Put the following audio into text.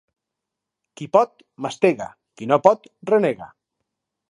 Qui pot, mastega; qui no pot, renega.